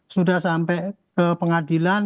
sudah sampai ke pengadilan